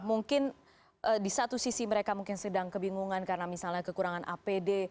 mungkin di satu sisi mereka mungkin sedang kebingungan karena misalnya kekurangan apd